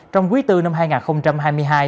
trong quý tư năm hai nghìn hai mươi hai